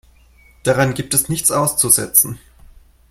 Daran gibt es nichts auszusetzen.